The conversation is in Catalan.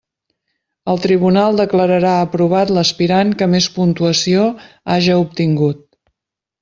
El tribunal declararà aprovat l'aspirant que més puntuació haja obtingut.